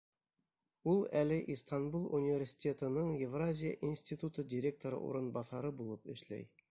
Ул әле Истанбул университетының Евразия институты директоры урынбаҫары булып эшләй.